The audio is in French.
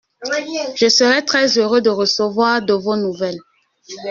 Je serai très-heureux de recevoir de vos nouvelles.